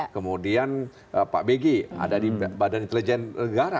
kemudian pak begir ada di bnl